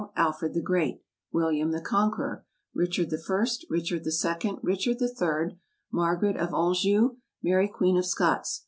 Alfred the Great. William the Conqueror. Richard I. Richard II. Richard III. Margaret of Anjou. Mary Queen of Scots.